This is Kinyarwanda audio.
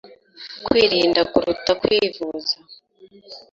Kwirinda kuruta kwivuza